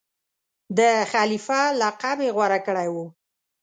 د خلیفه لقب یې غوره کړی وو.